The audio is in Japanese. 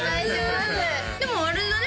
でもあれだね